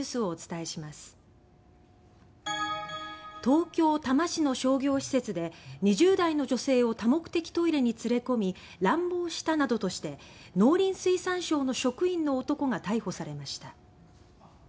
東京・多摩市の商業施設で２０代の女性を多目的トイレに連れ込み乱暴したなどとして農林水産省の職員の男が逮捕されました。